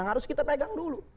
harus kita pegang dulu